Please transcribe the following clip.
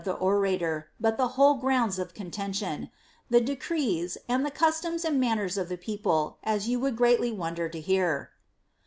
the orator, but the whole grounda of eoottntioo, — the decreea, and the customs and mannera of the people, as you would greatly wonder to hear."